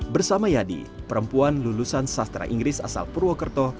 bersama yadi perempuan lulusan sastra inggris asal purwokerto